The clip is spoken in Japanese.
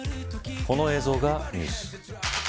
この映像がニュース。